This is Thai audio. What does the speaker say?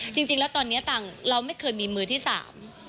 จริงจริงแล้วตอนเนี้ยต่างเราไม่เคยมีมือที่สาม